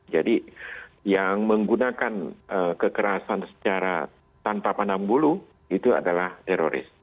jadi yang menggunakan kekerasan secara tanpa pandang bulu itu adalah terrorist